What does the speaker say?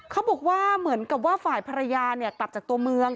เขาบอกว่าเหมือนกับว่าฝ่ายภรรยาเนี่ยกลับจากตัวเมือง